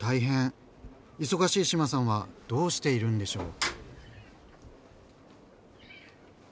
忙しい志麻さんはどうしているんでしょう？